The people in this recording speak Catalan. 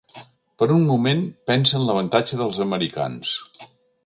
Per un moment pensa en l'avantatge dels americans.